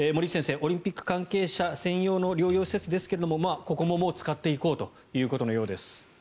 オリンピック関係者専用の療養施設ですがここも使っていこうということのようです。